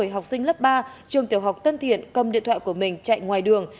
học sinh lớp ba trường tiểu học tân thiện cầm điện thoại của mình chạy ngoài đường